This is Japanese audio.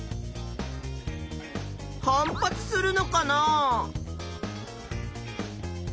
反発するのかなあ？